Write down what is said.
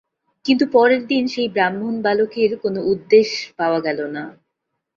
কিন্তু পরের দিন সেই ব্রাহ্মণবালকের কোনো উদ্দেশ পাওয়া গেল না।